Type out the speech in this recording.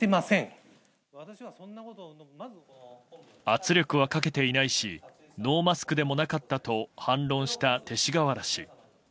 圧力はかけていないしノーマスクでもなかったと反論した勅使河原氏。